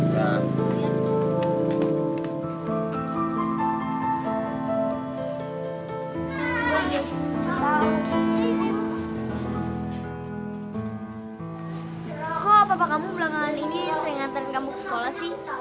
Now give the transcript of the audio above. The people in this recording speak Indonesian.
aku papa kamu belakangan ini sering ngantarin kamu ke sekolah sih